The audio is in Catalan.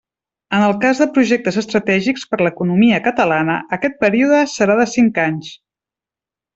En el cas de projectes estratègics per l'economia catalana, aquest període serà de cinc anys.